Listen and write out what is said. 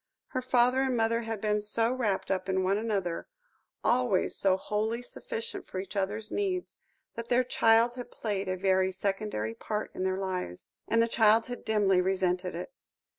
Her father and mother had been so wrapped up in one another, always so wholly sufficient for each other's needs, that their child had played a very secondary part in their lives. And the child had dimly resented it.